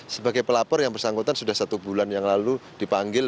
sebagai pelapor yang bersangkutan sudah satu bulan yang lalu dipanggil